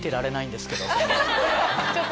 ちょっと！